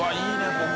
ここ。